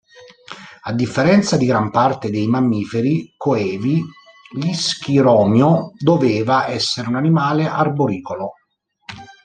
A differenza di gran parte dei mammiferi coevi, l'ischiromio doveva essere un animale arboricolo.